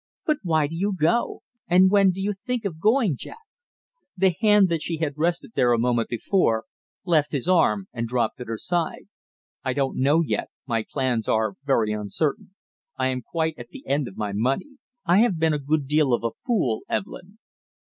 "But why do you go? And when do you think of going, Jack?" The hand that she had rested there a moment before, left his arm and dropped at her side. "I don't know yet, my plans are very uncertain. I am quite at the end of my money. I have been a good deal of a fool, Evelyn."